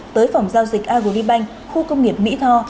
tới phòng giao dịch agribank khu công nghiệp mỹ tho